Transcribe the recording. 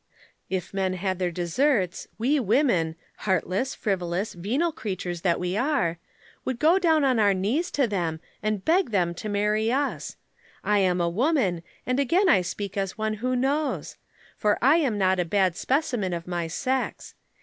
"If men had their deserts we women heartless, frivolous, venal creatures that we are would go down on our knees to them, and beg them to marry us. I am a woman and again I speak as one who knows. For I am not a bad specimen of my sex.